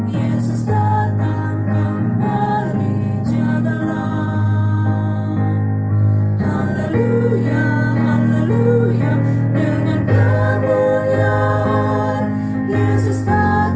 yesus akan kembali tapi jadinya takkan